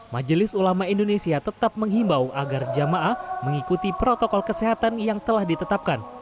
majelis ulama indonesia tetap menghimbau agar jamaah mengikuti protokol kesehatan yang telah ditetapkan